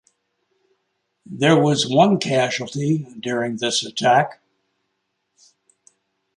There was one casualty during this attack.